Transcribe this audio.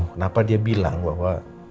kenapa dia bilang bahwa